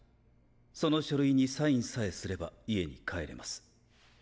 その書類にサインさえすれば家に帰れます。